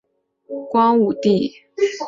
邓禹派遣使者告知光武帝。